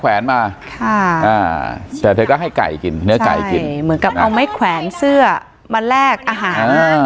แวนมาค่ะอ่าแต่เธอก็ให้ไก่กินเนื้อไก่กินเหมือนกับเอาไม้แขวนเสื้อมาแลกอาหาร